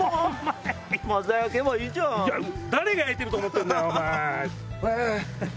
誰が焼いてると思ってんだよ！